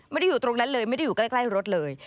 ไม่ได้อยู่ตรงนั้นเลยไม่ได้อยู่ใกล้รถเลย